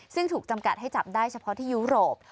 ซึ่งถูกจำกัดให้จับได้เฉพาะที่ยุโรป